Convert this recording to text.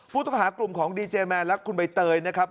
ผู้ต้องหากลุ่มของดีเจแมนและคุณใบเตยนะครับ